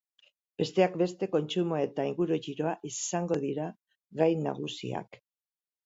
Besteak beste, kontsumoa eta inguru-giroa izango dira gai nagusiak.